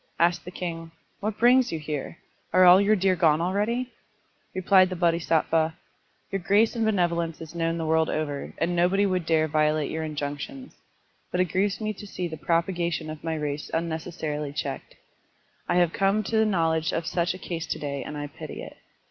Asked the king, "What brings you here? Are all your deer gone already?" Replied the Bodhisattva, "Your grace and benevolence is known the world over, and nobody would dare violate your injunctions ; but it grieves me to see Digitized by Google THE STORY OF DEER PARK 185 the propagation of my race unnecessarily checked. I have come to the knowledge of such a case to day and I pity it.